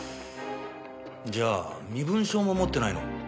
じゃあ身分証も持ってないの？